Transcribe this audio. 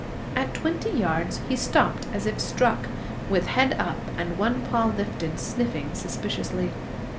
At twenty yards he stopped as if struck, with head up and one paw lifted, sniffing suspiciously.